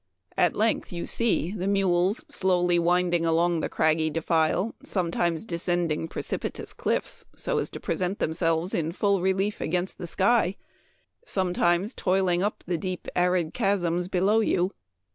At length you see the mules slowly winding along the craggy defile, sometimes descending precipitous cliffs, so as to present themselves in full relief against the sky, sometimes toiling up the deep arid chasms below you.